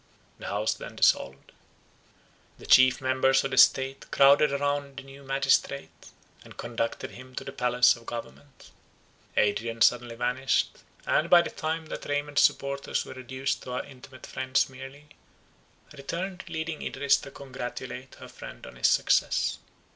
The house then dissolved. The chief members of the state crowded round the new magistrate, and conducted him to the palace of government. Adrian suddenly vanished; and, by the time that Raymond's supporters were reduced to our intimate friends merely, returned leading Idris to congratulate her friend on his success.